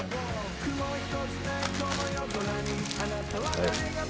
はい。